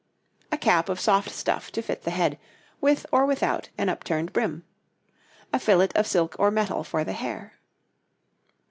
A cap of soft stuff to fit the head, with or without an upturned brim. A fillet of silk or metal for the hair.